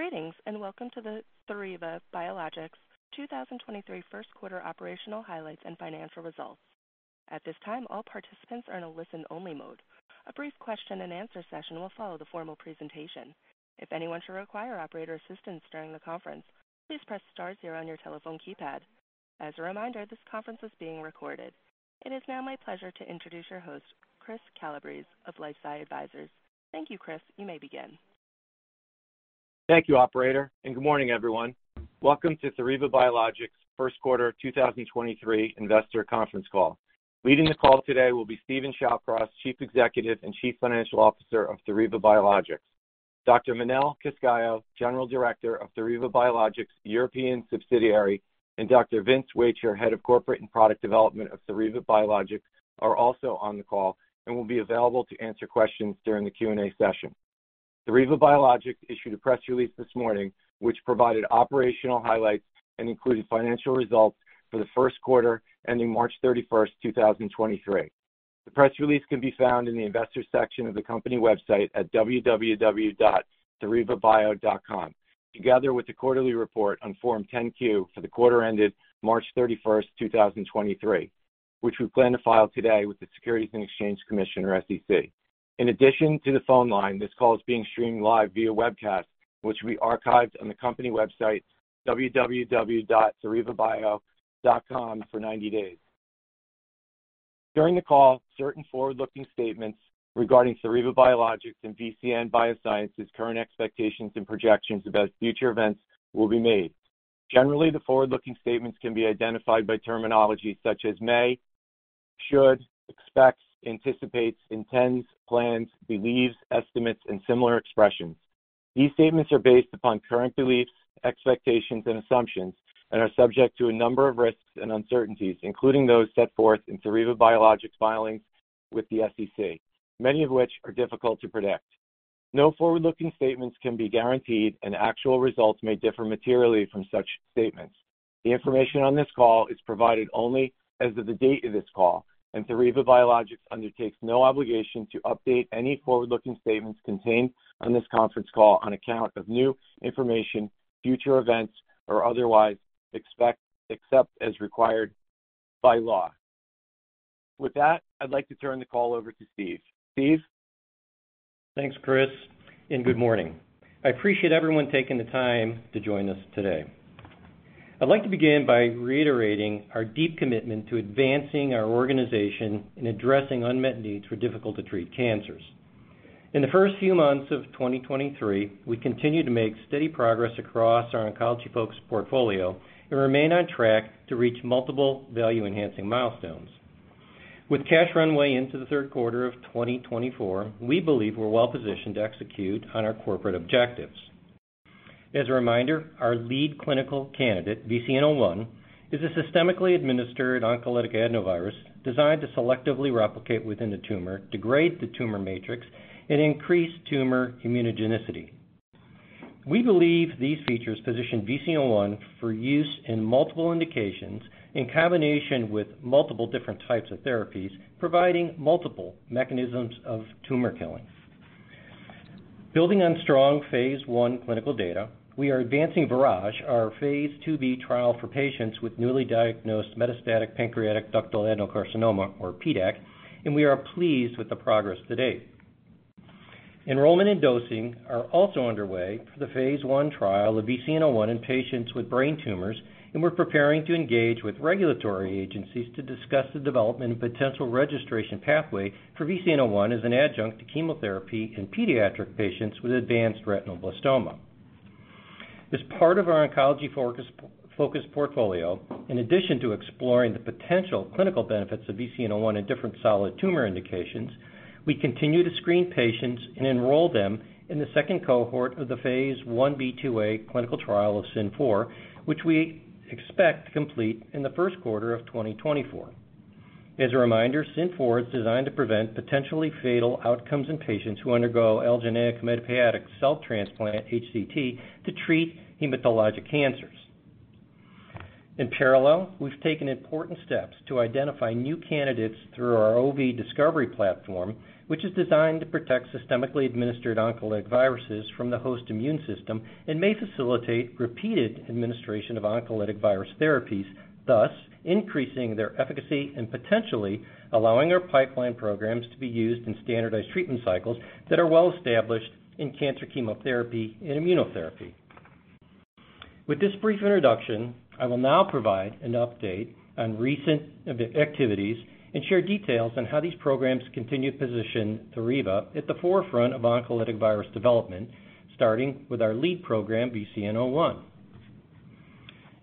Greetings, and welcome to the Theriva Biologics 2023 first quarter operational highlights and financial results. At this time, all participants are in a listen-only mode. A brief question and answer session will follow the formal presentation. If anyone should require operator assistance during the conference, please press star zero on your telephone keypad. As a reminder, this conference is being recorded. It is now my pleasure to introduce your host, Chris Calabrese of LifeSci Advisors. Thank you, Chris. You may begin. Thank you, operator. Good morning, everyone. Welcome to Theriva Biologics' first quarter 2023 investor conference call. Leading the call today will be Steven A. Shallcross, Chief Executive and Chief Financial Officer of Theriva Biologics. Dr. Manel Cascalló, General Director of Theriva Biologics' European subsidiary, and Dr. Vince Wacher, Head of Corporate and Product Development of Theriva Biologics, are also on the call and will be available to answer questions during the Q&A session. Theriva Biologics issued a press release this morning, which provided operational highlights and included financial results for the first quarter, ending March 31st, 2023. The press release can be found in the investors section of the company website at www.therivabio.com, together with the quarterly report on Form 10-Q for the quarter ended March 31st, 2023, which we plan to file today with the Securities and Exchange Commission, or SEC. In addition to the phone line, this call is being streamed live via webcast, which will be archived on the company website www.therivabio.com for 90 days. During the call, certain forward-looking statements regarding Theriva Biologics and VCN Biosciences current expectations and projections about future events will be made. Generally, the forward-looking statements can be identified by terminology such as may, should, expects, anticipates, intends, plans, believes, estimates, and similar expressions. These statements are based upon current beliefs, expectations and assumptions and are subject to a number of risks and uncertainties, including those set forth in Theriva Biologics' filings with the SEC, many of which are difficult to predict. No forward-looking statements can be guaranteed, actual results may differ materially from such statements. The information on this call is provided only as of the date of this call, Theriva Biologics undertakes no obligation to update any forward-looking statements contained on this conference call on account of new information, future events, or otherwise except as required by law. With that, I'd like to turn the call over to Steve. Steve? Thanks, Chris. Good morning. I appreciate everyone taking the time to join us today. I'd like to begin by reiterating our deep commitment to advancing our organization and addressing unmet needs for difficult to treat cancers. In the first few months of 2023, we continue to make steady progress across our oncology folks portfolio and remain on track to reach multiple value-enhancing milestones. With cash runway into the third quarter of 2024, we believe we're well-positioned to execute on our corporate objectives. As a reminder, our lead clinical candidate, VCN-01, is a systemically administered oncolytic adenovirus designed to selectively replicate within the tumor, degrade the tumor matrix and increase tumor immunogenicity. We believe these features position VCN-01 for use in multiple indications in combination with multiple different types of therapies, providing multiple mechanisms of tumor killing. Building on strong phase I clinical data, we are advancing VIRAGE, our phase IIB trial for patients with newly diagnosed metastatic pancreatic ductal adenocarcinoma, or PDAC. We are pleased with the progress to date. Enrollment and dosing are also underway for the phase I trial of VCN-01 in patients with brain tumors. We're preparing to engage with regulatory agencies to discuss the development and potential registration pathway for VCN-01 as an adjunct to chemotherapy in pediatric patients with advanced retinoblastoma. As part of our oncology focus portfolio, in addition to exploring the potential clinical benefits of VCN-01 in different solid tumor indications, we continue to screen patients and enroll them in the second cohort of the phase IB/phase IIA clinical trial of SYN-004, which we expect to complete in the first quarter of 2024. As a reminder, SYN-004 is designed to prevent potentially fatal outcomes in patients who undergo allogeneic hematopoietic cell transplant, HCT, to treat hematologic cancers. In parallel, we've taken important steps to identify new candidates through our OV discovery platform, which is designed to protect systemically administered oncolytic viruses from the host immune system and may facilitate repeated administration of oncolytic virus therapies, thus increasing their efficacy and potentially allowing our pipeline programs to be used in standardized treatment cycles that are well established in cancer chemotherapy and immunotherapy. With this brief introduction, I will now provide an update on recent activities and share details on how these programs continue to position Theriva at the forefront of oncolytic virus development, starting with our lead program, VCN-01.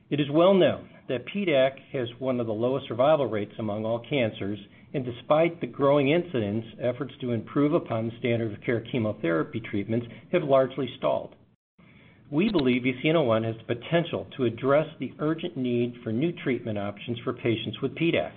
It is well known that PDAC has one of the lowest survival rates among all cancers. Despite the growing incidence, efforts to improve upon the standard of care chemotherapy treatments have largely stalled. We believe VCN-01 has the potential to address the urgent need for new treatment options for patients with PDAC.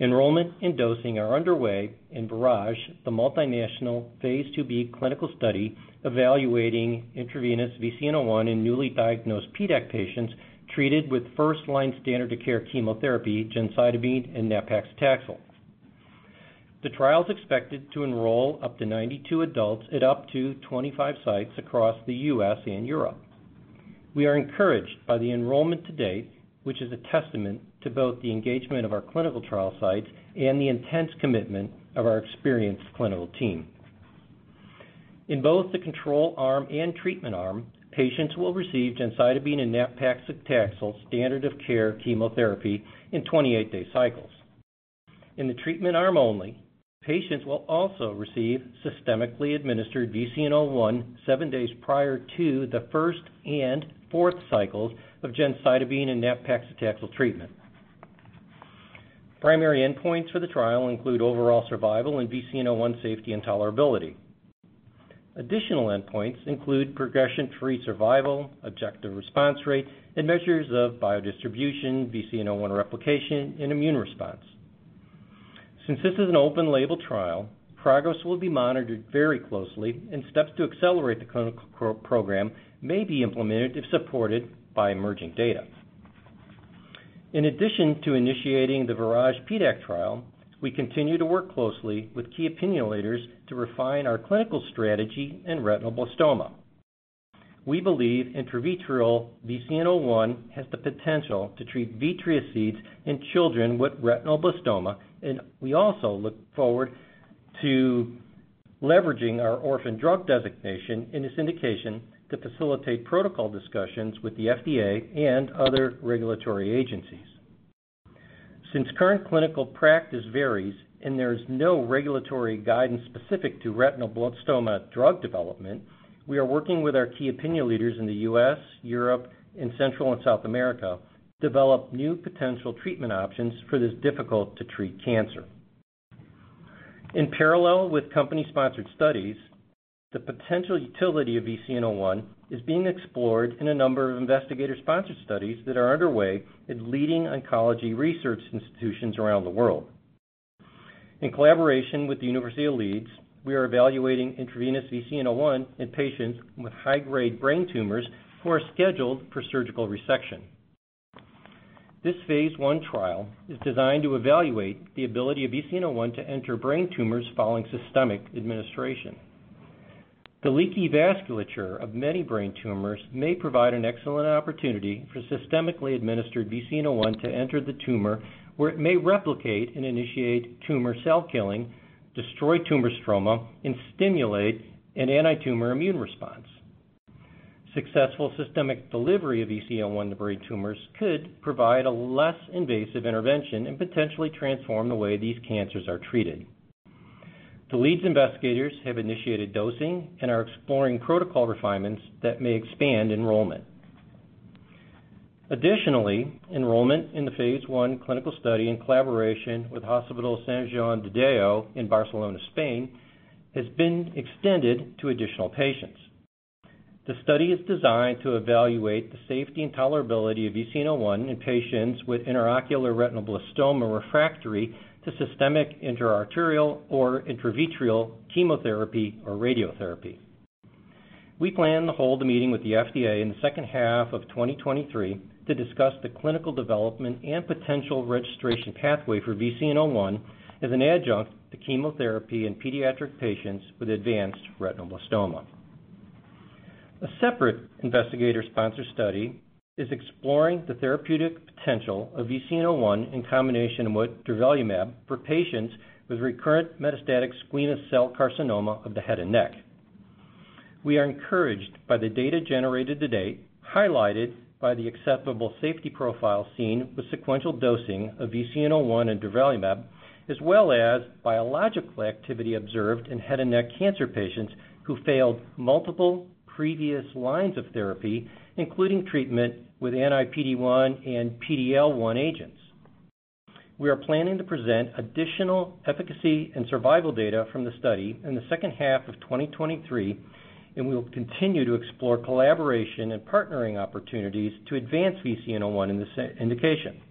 Enrollment and dosing are underway in VIRAGE, the multinational phase IIB clinical study evaluating intravenous VCN-01 in newly diagnosed PDAC patients treated with first-line standard of care chemotherapy, gemcitabine and nab-paclitaxel. The trial is expected to enroll up to 92 adults at up to 25 sites across the US and Europe. We are encouraged by the enrollment to date, which is a testament to both the engagement of our clinical trial sites and the intense commitment of our experienced clinical team. In both the control arm and treatment arm, patients will receive gemcitabine and nab-paclitaxel standard of care chemotherapy in 28-day cycles. In the treatment arm only, patients will also receive systemically administered VCN-01 seven days prior to the first and fourth cycles of gemcitabine and nab-paclitaxel treatment. Primary endpoints for the trial include overall survival and VCN-01 safety and tolerability. Additional endpoints include progression-free survival, objective response rate, and measures of biodistribution, VCN-01 replication, and immune response. Since this is an open label trial, progress will be monitored very closely, and steps to accelerate the clinical program may be implemented if supported by emerging data. In addition to initiating the VIRAGE PDAC trial, we continue to work closely with key opinion leaders to refine our clinical strategy in retinoblastoma. We believe intravitreal VCN-01 has the potential to treat vitreous seeds in children with retinoblastoma. We also look forward to leveraging our orphan drug designation in this indication to facilitate protocol discussions with the FDA and other regulatory agencies. Since current clinical practice varies and there is no regulatory guidance specific to retinoblastoma drug development, we are working with our key opinion leaders in the U.S., Europe, and Central and South America to develop new potential treatment options for this difficult-to-treat cancer. In parallel with company-sponsored studies, the potential utility of VCN-01 is being explored in a number of investigator-sponsored studies that are underway in leading oncology research institutions around the world. In collaboration with the University of Leeds, we are evaluating intravenous VCN-01 in patients with high-grade brain tumors who are scheduled for surgical resection. This phase I trial is designed to evaluate the ability of VCN-01 to enter brain tumors following systemic administration. The leaky vasculature of many brain tumors may provide an excellent opportunity for systemically administered VCN-01 to enter the tumor, where it may replicate and initiate tumor cell killing, destroy tumor stroma, and stimulate an antitumor immune response. Successful systemic delivery of VCN-01 to brain tumors could provide a less invasive intervention and potentially transform the way these cancers are treated. The Leeds investigators have initiated dosing and are exploring protocol refinements that may expand enrollment. Additionally, enrollment in the phase I clinical study in collaboration with SJD Barcelona Children's Hospital Sant Joan de Déu in Barcelona, Spain, has been extended to additional patients. The study is designed to evaluate the safety and tolerability of VCN-01 in patients with intraocular retinoblastoma refractory to systemic intra-arterial or intravitreal chemotherapy or radiotherapy. We plan to hold a meeting with the FDA in the second half of 2023 to discuss the clinical development and potential registration pathway for VCN-01 as an adjunct to chemotherapy in pediatric patients with advanced retinoblastoma. A separate investigator-sponsored study is exploring the therapeutic potential of VCN-01 in combination with durvalumab for patients with recurrent metastatic squamous cell carcinoma of the head and neck. We are encouraged by the data generated to date, highlighted by the acceptable safety profile seen with sequential dosing of VCN-01 and durvalumab, as well as biological activity observed in head and neck cancer patients who failed multiple previous lines of therapy, including treatment with anti PD-1 and PD-L1 agents. We are planning to present additional efficacy and survival data from the study in the second half of 2023, and we will continue to explore collaboration and partnering opportunities to advance VCN-01 in this indication.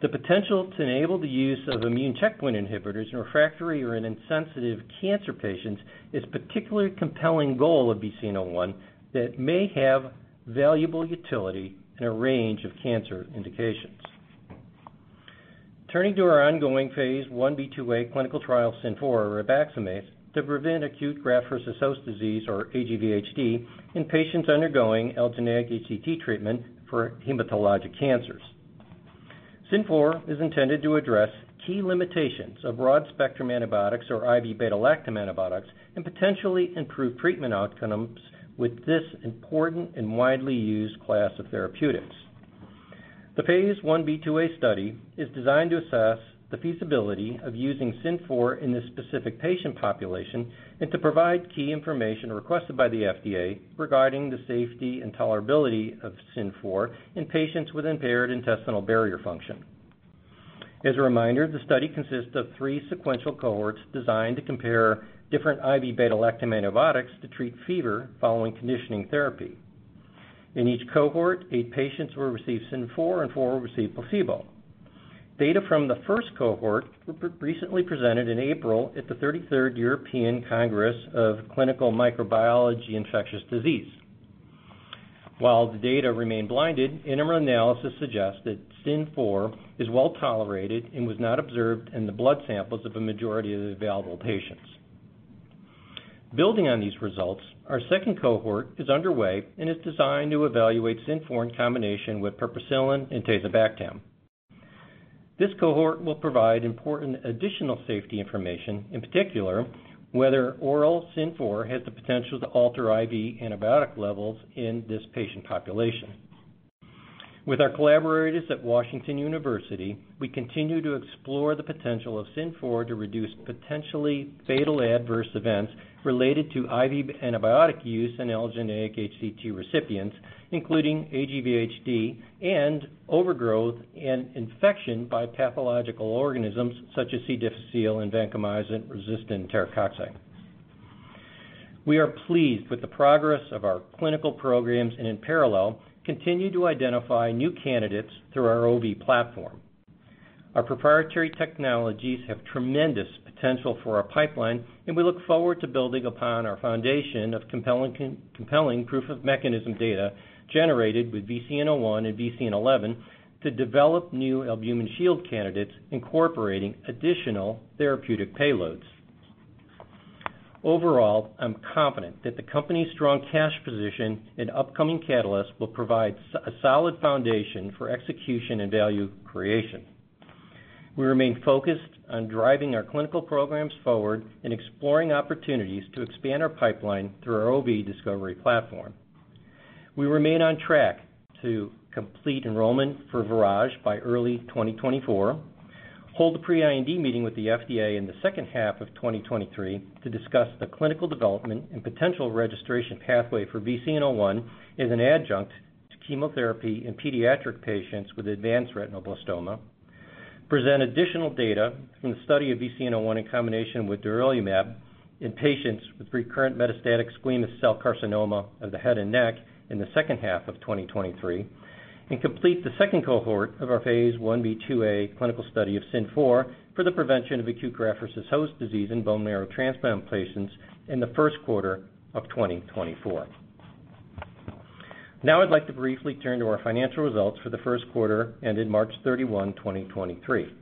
The potential to enable the use of immune checkpoint inhibitors in refractory or in insensitive cancer patients is a particularly compelling goal of VCN-01 that may have valuable utility in a range of cancer indications. Turning to our ongoing phase IB/phase IIA clinical trial SYNFORA or ribaxamase to prevent acute graft-versus-host disease or aGVHD in patients undergoing allogeneic HCT treatment for hematologic cancers. SYNFORA is intended to address key limitations of broad-spectrum antibiotics or IV beta-lactam antibiotics and potentially improve treatment outcomes with this important and widely used class of therapeutics. The phase Ib/phase IIB study is designed to assess the feasibility of using SYN-004 in this specific patient population and to provide key information requested by the FDA regarding the safety and tolerability of SYN-004 in patients with impaired intestinal barrier function. As a reminder, the study consists of three sequential cohorts designed to compare different IV beta-lactam antibiotics to treat fever following conditioning therapy. In each cohort, eight patients will receive SYN-004 and four will receive placebo. Data from the first cohort were recently presented in April at the 33rd European Congress of Clinical Microbiology & Infectious Diseases. While the data remain blinded, interim analysis suggests that SYN-004 is well-tolerated and was not observed in the blood samples of a majority of the available patients. Building on these results, our second cohort is underway and is designed to evaluate SYN-004 in combination with piperacillin and tazobactam. This cohort will provide important additional safety information, in particular, whether oral SYN-004 has the potential to alter IV antibiotic levels in this patient population. With our collaborators at Washington University, we continue to explore the potential of SYN-004 to reduce potentially fatal adverse events related to IV antibiotic use in allogeneic HCT recipients, including aGVHD and overgrowth and infection by pathological organisms such as C. difficile and vancomycin-resistant enterococci. We are pleased with the progress of our clinical programs and in parallel, continue to identify new candidates through our OV platform. Our proprietary technologies have tremendous potential for our pipeline, and we look forward to building upon our foundation of compelling proof of mechanism data generated with VCN-01 and VCN-11 to develop new albumin shield candidates incorporating additional therapeutic payloads. I'm confident that the company's strong cash position and upcoming catalyst will provide a solid foundation for execution and value creation. We remain focused on driving our clinical programs forward and exploring opportunities to expand our pipeline through our OV discovery platform. We remain on track to complete enrollment for VIRAGE by early 2024, hold a pre-IND meeting with the FDA in the second half of 2023 to discuss the clinical development and potential registration pathway for VCN-01 as an adjunct to chemotherapy in pediatric patients with advanced retinoblastoma, present additional data from the study of VCN-01 in combination with durvalumab in patients with recurrent metastatic squamous cell carcinoma of the head and neck in the second half of 2023, and complete the second cohort of our phase IB/phase IIB clinical study of SYN-004 for the prevention of acute graft-versus-host disease in bone marrow transplant patients in the first quarter of 2024. I'd like to briefly turn to our financial results for the first quarter ended March 31st, 2023.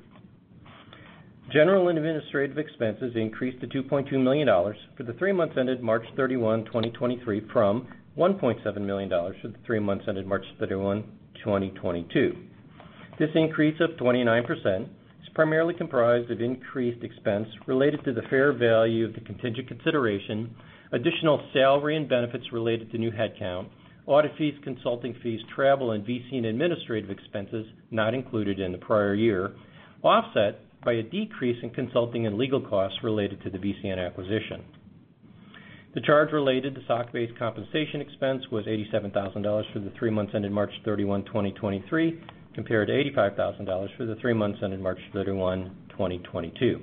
General and administrative expenses increased to $2.2 million for the three months ended March 31st, 2023, from $1.7 million for the three months ended March 31st, 2022. This increase of 29% is primarily comprised of increased expense related to the fair value of the contingent consideration, additional salary and benefits related to new headcount, audit fees, consulting fees, travel and VCN administrative expenses not included in the prior year, offset by a decrease in consulting and legal costs related to the VCN acquisition. The charge related to stock-based compensation expense was $87,000 for the three months ended March 31st, 2023, compared to $85,000 for the three months ended March 31st, 2022.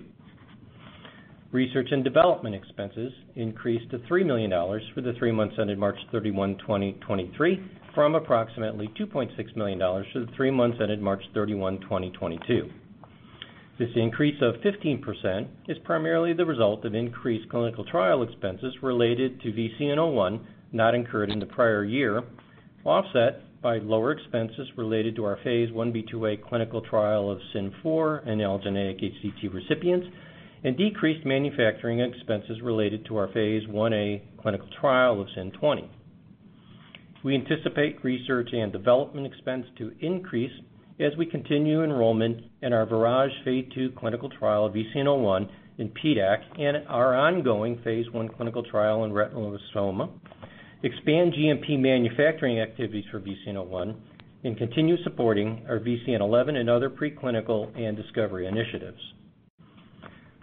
Research and development expenses increased to $3 million for the three months ended March 31st, 2023, from approximately $2.6 million for the three months ended March 31st, 2022. This increase of 15% is primarily the result of increased clinical trial expenses related to VCN-01 not incurred in the prior year, offset by lower expenses related to our phase IB/phase IIB clinical trial of SYN-004 in allogeneic HCT recipients, and decreased manufacturing expenses related to our phase IA clinical trial of SYN-020. We anticipate research and development expense to increase as we continue enrollment in our VIRAGE phase II clinical trial of VCN-01 in PDAC and our ongoing phase I clinical trial in retinoblastoma, expand GMP manufacturing activities for VCN-01, and continue supporting our VCN-11 and other preclinical and discovery initiatives.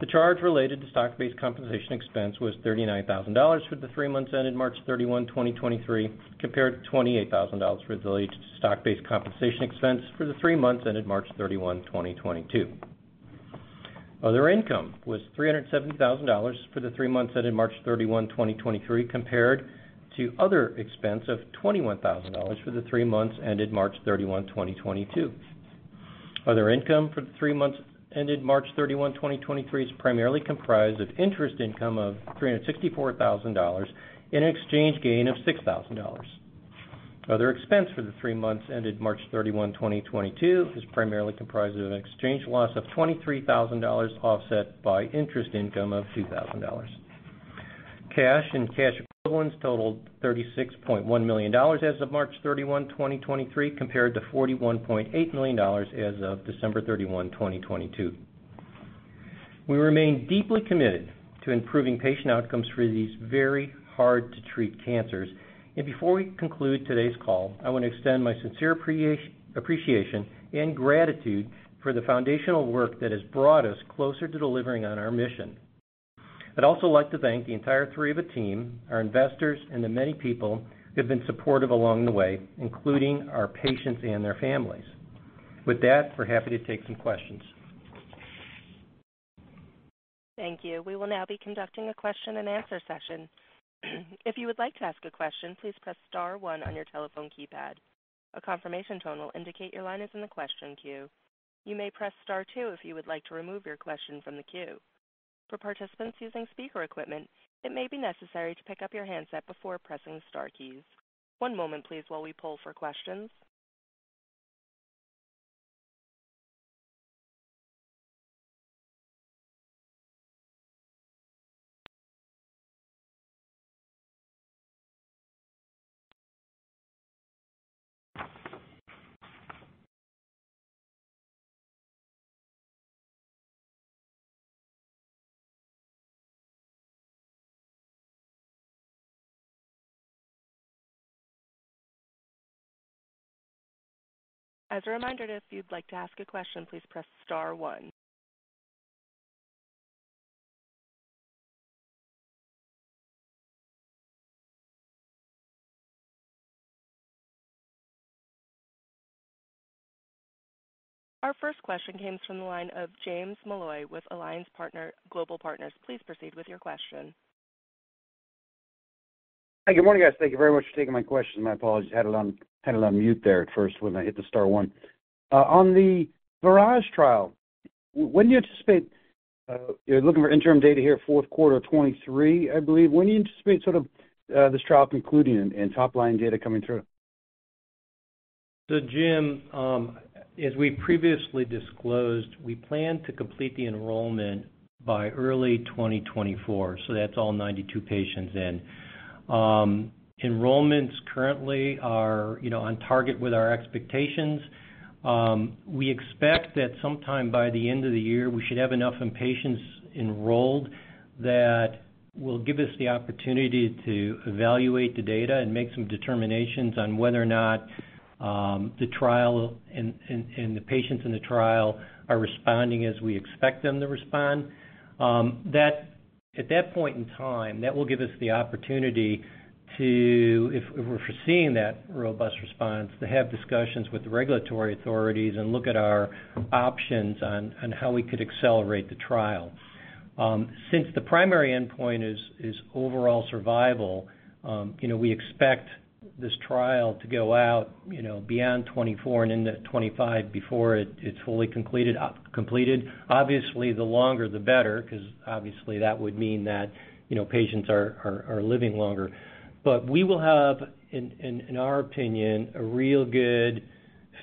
The charge related to stock-based compensation expense was $39,000 for the three months ended March 31st, 2023, compared to $28,000 for the related to stock-based compensation expense for the three months ended March 31st, 2022. Other income was $370,000 for the three months ended March 31, 2023, compared to other expense of $21,000 for the three months ended March 31st, 2022. Other income for the three months ended March 31st, 2023, is primarily comprised of interest income of $364,000 and an exchange gain of $6,000. Other expense for the three months ended March 31st, 2022, is primarily comprised of an exchange loss of $23,000, offset by interest income of $2,000. Cash and cash equivalents totaled $36.1 million as of March 31st, 2023, compared to $41.8 million as of December 31st, 2022. We remain deeply committed to improving patient outcomes for these very hard-to-treat cancers. Before we conclude today's call, I want to extend my sincere appreciation and gratitude for the foundational work that has brought us closer to delivering on our mission. I'd also like to thank the entire Theriva team, our investors, and the many people who've been supportive along the way, including our patients and their families. With that, we're happy to take some questions. Thank you. We will now be conducting a question and answer session. If you would like to ask a question, please press star one on your telephone keypad. A confirmation tone will indicate your line is in the question queue. You may press star two if you would like to remove your question from the queue. For participants using speaker equipment, it may be necessary to pick up your handset before pressing star keys. One moment please while we pull for questions. As a reminder, if you'd like to ask a question, please press star one. Our first question comes from the line of James Molloy with Alliance Global Partners. Please proceed with your question. Hi. Good morning, guys. Thank you very much for taking my question. My apologies. I had it on mute there at first when I hit the star one. On the VIRAGE trial, when do you anticipate? You're looking for interim data here, fourth quarter 2023, I believe. When do you anticipate sort of, this trial concluding and top-line data coming through? Jim, as we previously disclosed, we plan to complete the enrollment by early 2024, so that's all 92 patients in. Enrollments currently are, you know, on target with our expectations. We expect that sometime by the end of the year, we should have enough patients enrolled that will give us the opportunity to evaluate the data and make some determinations on whether or not, the trial and the patients in the trial are responding as we expect them to respond. At that point in time, that will give us the opportunity to, if we're foreseeing that robust response, to have discussions with the regulatory authorities and look at our options on how we could accelerate the trial. Since the primary endpoint is overall survival, you know, we expect this trial to go out, you know, beyond 2024 and into 2025 before it is fully completed. Obviously, the longer the better, 'cause obviously that would mean that, you know, patients are living longer. We will have, in our opinion, a real good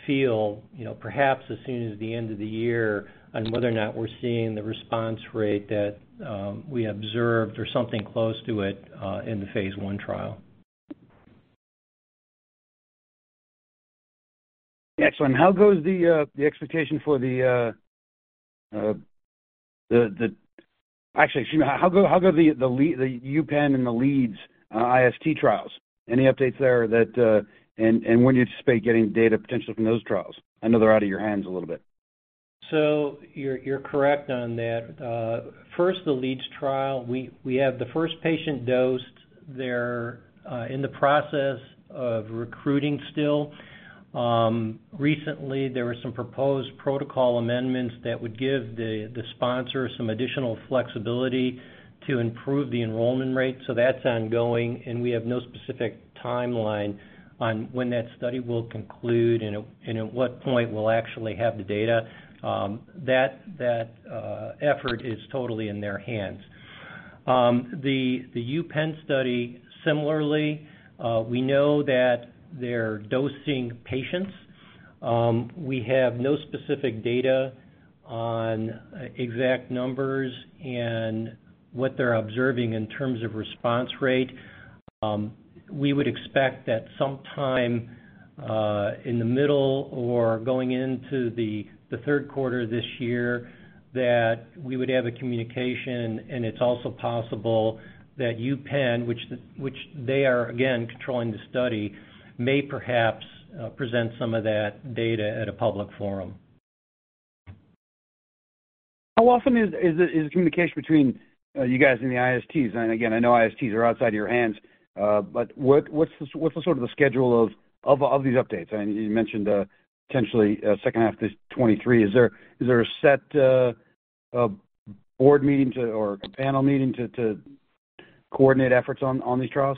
feel, you know, perhaps as soon as the end of the year, on whether or not we're seeing the response rate that we observed or something close to it, in the phase I trial. Excellent. Actually, excuse me. How go the UPenn and the Leeds IST trials? Any updates there that? When do you anticipate getting data potentially from those trials? I know they're out of your hands a little bit. You're correct on that. First, the Leeds trial, we have the first patient dosed. They're in the process of recruiting still. Recently, there were some proposed protocol amendments that would give the sponsor some additional flexibility to improve the enrollment rate, so that's ongoing, and we have no specific timeline on when that study will conclude and at what point we'll actually have the data. That effort is totally in their hands. The UPenn study, similarly, we know that they're dosing patients. We have no specific data on exact numbers and what they're observing in terms of response rate. We would expect that sometime, in the middle or going into the third quarter this year that we would have a communication. It's also possible that UPenn, which they are, again, controlling the study, may perhaps present some of that data at a public forum. How often is the communication between you guys and the ISTs? Again, I know ISTs are outside of your hands, but what's the sort of the schedule of these updates? You mentioned potentially second half this 2023. Is there a set board meeting to or panel meeting to coordinate efforts on these trials?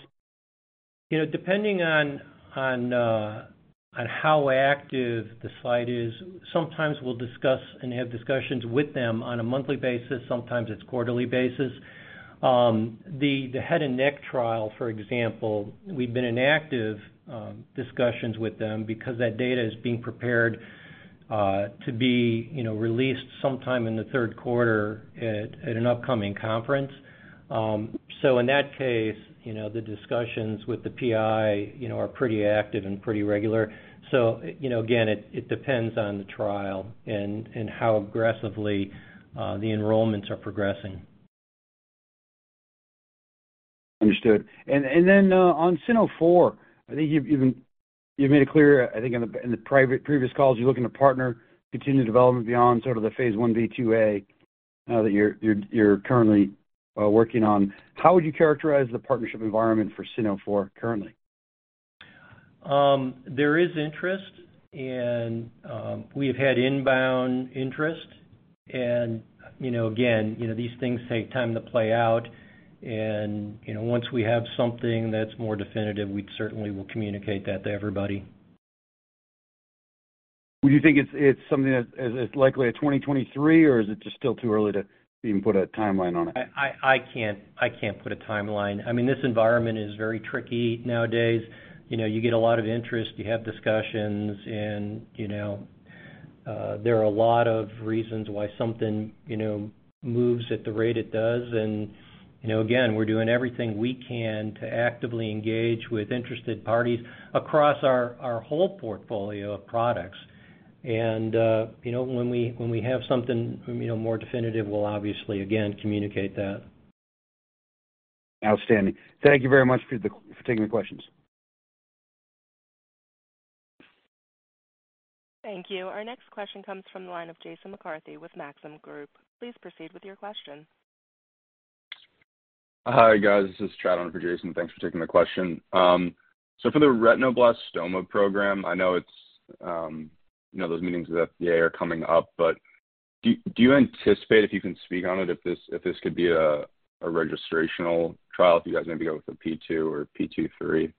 You know, depending on how active the site is, sometimes we'll discuss and have discussions with them on a monthly basis. Sometimes it's quarterly basis. The head and neck trial, for example, we've been in active discussions with them because that data is being prepared to be, you know, released sometime in the third quarter at an upcoming conference. In that case, you know, the discussions with the PI, you know, are pretty active and pretty regular. You know, again, it depends on the trial and how aggressively the enrollments are progressing. Understood. Then, on SYN-004, I think you've made it clear, I think in the previous calls, you're looking to partner, continue development beyond sort of the phase IB/phase IIB, that you're currently working on. How would you characterize the partnership environment for SYN-004 currently? There is interest, and we've had inbound interest and, you know, again, you know, these things take time to play out and, you know, once we have something that's more definitive, we certainly will communicate that to everybody. Would you think it's something that is likely a 2023, or is it just still too early to even put a timeline on it? I can't put a timeline. I mean, this environment is very tricky nowadays. You know, you get a lot of interest, you have discussions, and, you know, there are a lot of reasons why something, you know, moves at the rate it does. You know, again, we're doing everything we can to actively engage with interested parties across our whole portfolio of products. You know, when we have something, you know, more definitive, we'll obviously again, communicate that. Outstanding. Thank you very much for taking the questions. Thank you. Our next question comes from the line of Jason McCarthy with Maxim Group. Please proceed with your question. Hi, guys. This is Chad on for Jason. Thanks for taking the question. For the retinoblastoma program, I know it's, you know, those meetings with FDA are coming up, but do you anticipate, if you can speak on it, if this could be a registrational trial, if you guys maybe go with phase II-phase III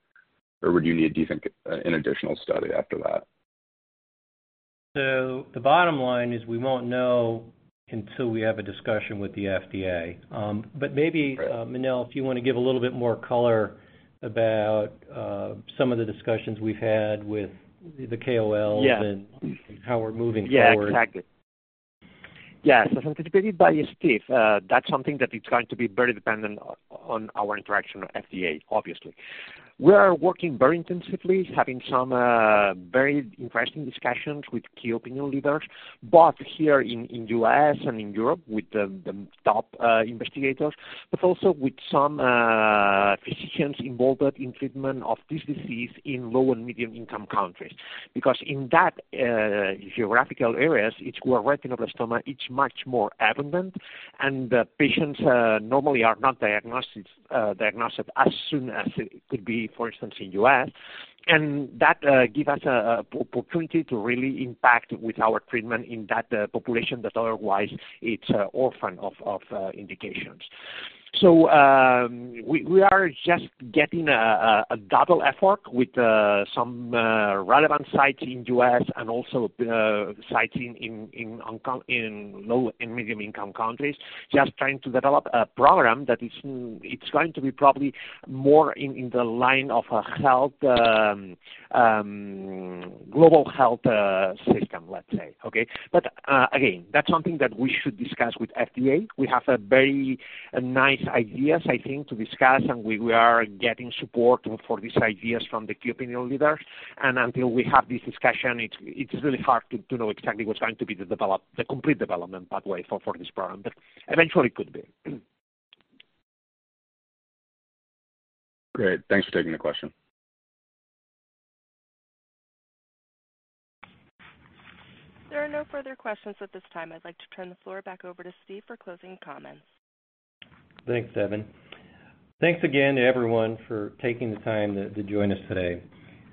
or would you need, do you think an additional study after that? The bottom line is we won't know until we have a discussion with the FDA. Right. Manel, if you wanna give a little bit more color about, some of the discussions we've had with the KOLs. Yeah. How we're moving forward. Yeah, exactly. Yes, as anticipated by Steve, that's something that is going to be very dependent on our interaction with FDA, obviously. We are working very intensively, having some very interesting discussions with key opinion leaders, both here in US and in Europe with the top investigators, but also with some physicians involved in treatment of this disease in low and medium income countries. In that geographical areas, it's where retinoblastoma, it's much more abundant and patients normally are not diagnosed as soon as it could be, for instance, in US. That give us a opportunity to really impact with our treatment in that population that otherwise it's orphan of indications. We are just getting a double effort with some relevant sites in U.S. and also sites in low and medium income countries, just trying to develop a program that is, it's going to be probably more in the line of a health global health system, let's say, okay? Again, that's something that we should discuss with FDA. We have a very nice ideas, I think, to discuss, and we are getting support for these ideas from the key opinion leaders. Until we have this discussion, it's really hard to know exactly what's going to be the complete development pathway for this program, but eventually it could be. Great. Thanks for taking the question. There are no further questions at this time. I'd like to turn the floor back over to Steve for closing comments. Thanks, Devin. Thanks again to everyone for taking the time to join us today.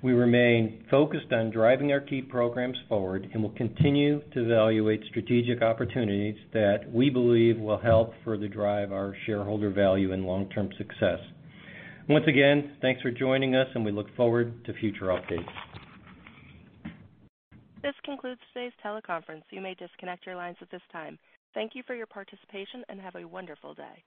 We remain focused on driving our key programs forward, and we'll continue to evaluate strategic opportunities that we believe will help further drive our shareholder value and long-term success. Once again, thanks for joining us, and we look forward to future updates. This concludes today's teleconference. You may disconnect your lines at this time. Thank you for your participation, and have a wonderful day.